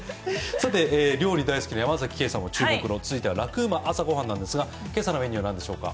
さて料理大好きな山崎ケイさんも注目の続いては「ラクうま！朝ごはん」なんですが、今朝のメニューは何でしょうか？